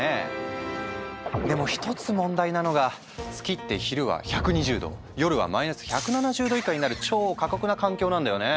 でも一つ問題なのが月って昼は１２０度夜はマイナス１７０度以下になる超過酷な環境なんだよね。